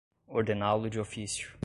ordená-lo de ofício